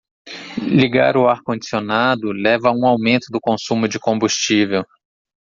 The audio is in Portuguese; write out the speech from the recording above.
Ligar o ar condicionado leva a um aumento do consumo de combustível.